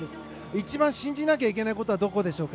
一番信じなきゃいけないことはどこでしょうか。